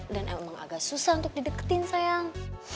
dan emang agak susah untuk dideketin sayang